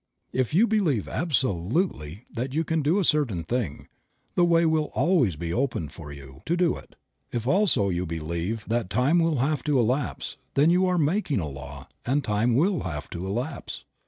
If you believe absolutely that you can do a certain thing, the way will always be opened for you to do it; if also you believe that time will have to elapse, then you are making that a law, and time will have to elapse.